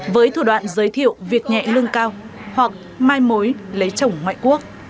với thủ đoạn giới thiệu việc nhẹ lương cao hoặc mai mối lấy chồng ngoại quốc